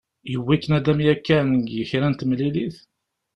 Yewwi-k nadam yakan deg kra n temlilit?